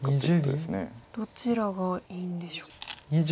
どちらがいいんでしょう。